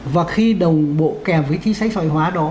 và khi đồng bộ kèm với chính sách xoay hóa đó